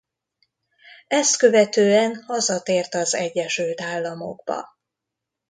Ezt követően hazatért az Egyesült Államokba.